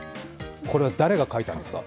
これは誰が描いたんですか？